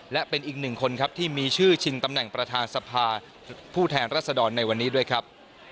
และเป็นอีกหนึ่งคนครับที่มีชื่อชิงตำแหน่งประธานสภาผู้แทนรัศดรในวันนี้ด้วยครับ